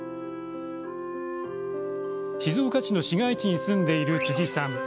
静岡の市街地に住んでいる辻さん。